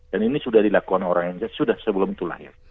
dan ini sudah dilakukan orang indonesia sudah sebelum itu lahir